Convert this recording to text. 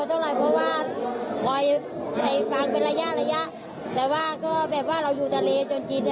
ตั้งแต่เกิดมาเจอเหตุการณ์แบบนี้เมื่อก่อนไหม